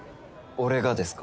俺がですか？